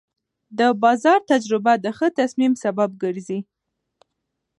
د بازار تجربه د ښه تصمیم سبب ګرځي.